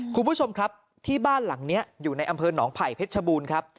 คุณผู้ชมครับที่บ้านหลังนี้อยู่ในอำเภอหนองไผ่เพชรชบูรณ์ครับ